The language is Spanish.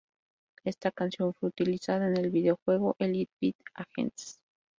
Esta canción fue utilizada en el video juego "Elite Beat Agents".